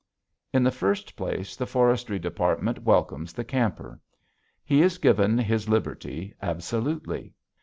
In the first place, the Forestry Department welcomes the camper. He is given his liberty, absolutely.